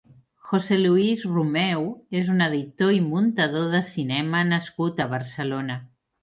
José Luis Romeu és un editor i muntador de cinema nascut a Barcelona.